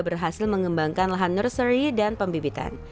berhasil mengembangkan lahan nursery dan pembibitan